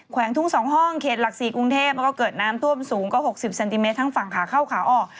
วงทุ่ง๒ห้องเขตหลัก๔กรุงเทพมันก็เกิดน้ำท่วมสูงกว่า๖๐เซนติเมตรทั้งฝั่งขาเข้าขาออก